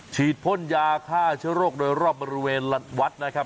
ฉีดพ่นยาฆ่าเชื้อโรคโดยรอบบริเวณวัดนะครับ